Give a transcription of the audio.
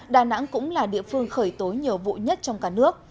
đà nẵng cũng là địa phương khởi tối nhiều vụ nhất trong cả nước